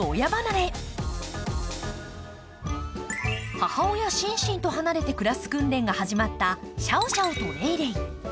母親シンシンと離れて暮らす訓練が始まったシャオシャオとレイレイ。